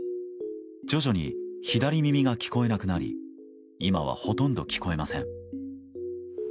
徐々に左耳が聞こえなくなり今は、ほとんど聞こえません。